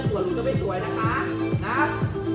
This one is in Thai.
เป็นอาหาร